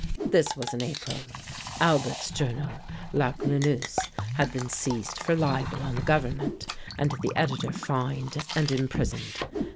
This was in April. Albert's journal, 'La Glaneuse,' had been seized for libel on the Government, and the editor fined and imprisoned.